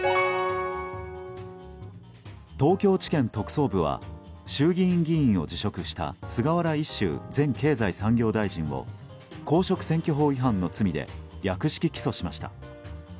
東京地検特捜部は衆議院議員を辞職した菅原一秀前経済産業大臣を公職選挙法違反の罪で略式起訴しました。